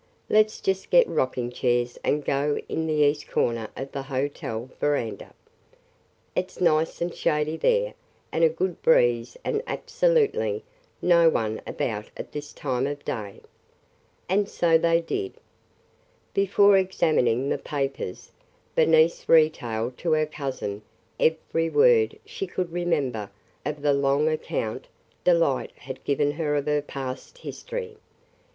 Let 's just get rocking chairs and go in the east corner of the hotel veranda. It 's nice and shady there and a good breeze and absolutely no one about at this time of day." And so they did. Before examining the papers, Bernice retailed to her cousin every word she could remember of the long account Delight had given her of her past history.